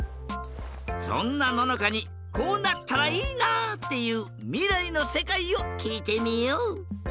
そんなののかにこうなったらいいなっていうみらいのせかいをきいてみよう！